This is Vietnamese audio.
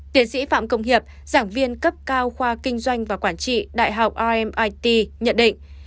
tiến sĩ phạm công hiệp giảng viên cấp cao khoa kinh doanh và quản trị đại học imit nhận định